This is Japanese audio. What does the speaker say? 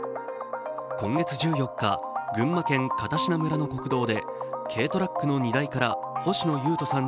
今月１４日、群馬県片品村の国道で軽トラックの荷台から星野佑斗さん